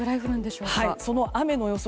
その雨の予想